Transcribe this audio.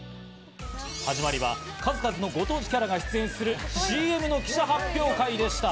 はじまりは数々のご当地キャラが出演するＣＭの記者発表会でした。